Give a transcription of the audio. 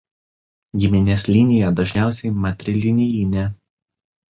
Giminės linija dažniausiai matrilinijinė.